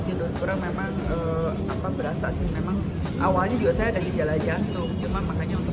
tidur kurang memang apa berasa sih memang awalnya juga saya ada gejala jantung cuma makanya untuk